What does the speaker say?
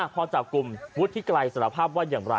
พอจับกลุ่มวุฒิไกรสารภาพว่าอย่างไร